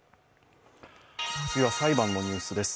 次は裁判のニュースです。